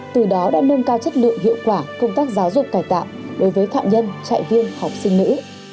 từ đó đã nâng cao chất lượng hiệu quả công tác giáo dục cải tạo đối với phạm nhân trại viên học sinh nữ